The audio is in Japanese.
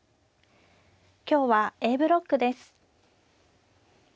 今日はＡブロックです。